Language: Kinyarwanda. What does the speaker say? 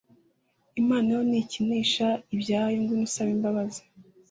Imana yo ntikinisha ibyayo ngwino usabe imbabazi